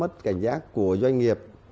từ cái chỗ mất cảnh giác của doanh nghiệp